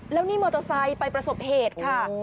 แล้วนี่มอเตอร์ไซค์ไปประสบเหตุค่ะ